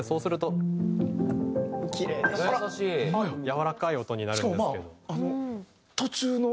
やわらかい音になるんですけど。